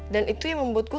dan itu yang membuat gue